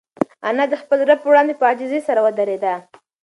انا د خپل رب په وړاندې په عاجزۍ سره ودرېده.